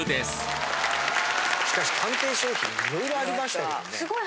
しかし寒天商品いろいろありましたけどね。